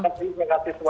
terima kasih semuanya